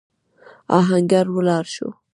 آهنګر ولاړ شو.